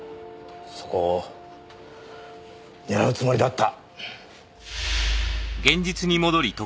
そこを狙うつもりだった。